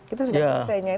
itu sudah selesainya